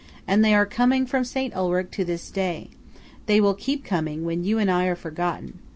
And they are coming from St. Ulrich to this day–they will keep coming, when you and I are forgotten.